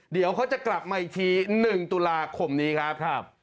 เดี๋ยวเขาจะกลับมาอีกที๑ตุลาคมนี้ครับ